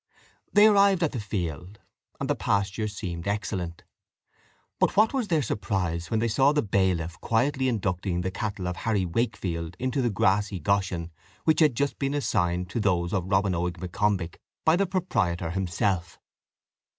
They arrived at the field, and the pasture seemed excellent. But what was their surprise when they saw the bailiff quietly inducting the cattle of Harry Wakefield into the grassy goshen which had just been assigned to those of Robin Oig M'Combich by the proprietor himself!